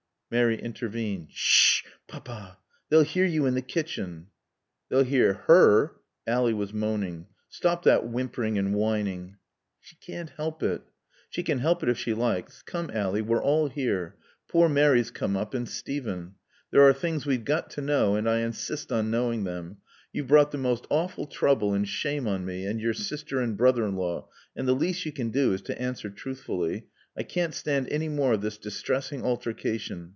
Mary intervened. "Sh sh Papa. They'll hear you in the kitchen." "They'll hear her." (Ally was moaning.) "Stop that whimpering and whining." "She can't help it." "She can help it if she likes. Come, Ally, we're all here Poor Mary's come up and Steven. There are things we've got to know and I insist on knowing them. You've brought the most awful trouble and shame on me and your sister and brother in law, and the least you can do is to answer truthfully. I can't stand any more of this distressing altercation.